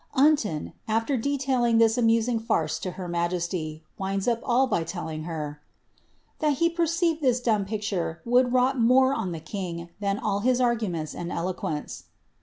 Unton, af\er detailing this amusing farce to her majesty, winds up all By telling her, " that he perceived this dumb picture had wrought more oo the king than all his arguments and eloquence."